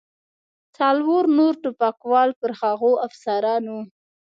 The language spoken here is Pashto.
څلور نور ټوپکوال پر هغو افسرانو.